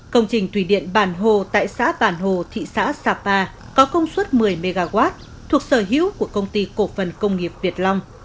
công trình thủy điện bản hồ tại xã bản hồ thị xã sapa có công suất một mươi mw thuộc sở hữu của công ty cổ phần công nghiệp việt long